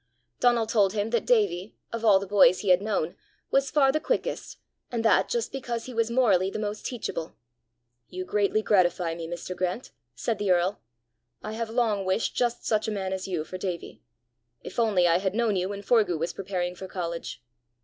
Donal told him that Davie, of all the boys he had known, was far the quickest, and that just because he was morally the most teachable. "You greatly gratify me, Mr. Grant," said the earl. "I have long wished such a man as you for Davie. If only I had known you when Forgue was preparing for college!"